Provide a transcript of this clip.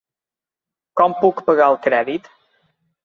Com puc pagar el crèdit?